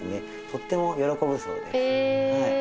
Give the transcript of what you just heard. とっても喜ぶそうです。え！